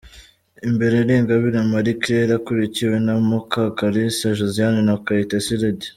Imbere ni Ingabire Marie Claire akurikiwe na Mukakalisa Josiane na Kayitesi Lydie